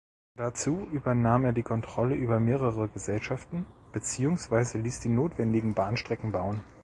Dazu übernahm er die Kontrolle über mehrere Gesellschaften beziehungsweise ließ die notwendigen Bahnstrecken bauen.